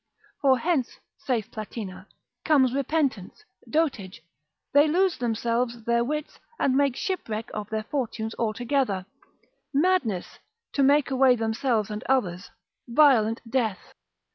For hence, saith Platina, comes repentance, dotage, they lose themselves, their wits, and make shipwreck of their fortunes altogether: madness, to make away themselves and others, violent death.